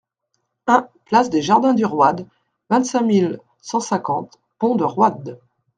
un place des Jardins du Roide, vingt-cinq mille cent cinquante Pont-de-Roide